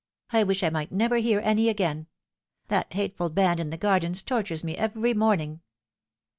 " I wish I might never hear any again. That hateful band in the gardens tortures me every morning."